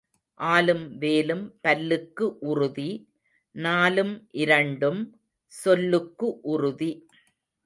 ஆலும் வேலும் பல்லுக்கு உறுதி நாலும் இரண்டும் சொல்லுக்கு உறுதி.